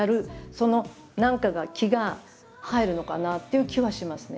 その何かが気が入るのかなっていう気はしますね。